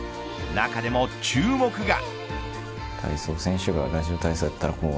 中でも注目が。